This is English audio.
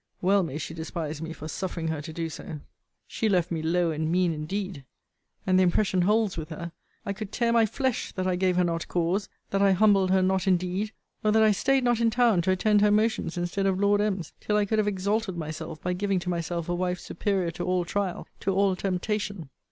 Well may she despise me for suffering her to do so. She left me low and mean indeed! And the impression holds with her. I could tear my flesh, that I gave her not cause that I humbled her not indeed; or that I staid not in town to attend her motions instead of Lord M.'s, till I could have exalted myself, by giving to myself a wife superior to all trial, to all temptation.